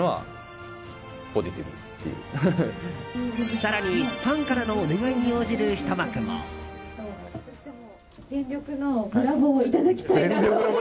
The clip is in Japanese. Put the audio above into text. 更に、ファンからのお願いに応じるひと幕も。